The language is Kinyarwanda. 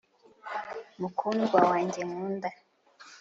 mukundwa wanjye nkunda